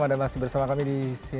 anda masih bersama kami di siang